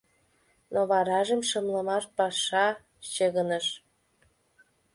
Но варажым шымлымаш паша чыгыныш.